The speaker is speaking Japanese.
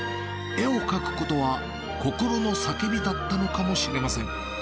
絵を描くことは心の叫びだったのかもしれません。